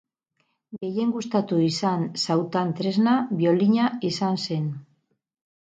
Gehien gustatu izan zautan tresna biolina izan zen.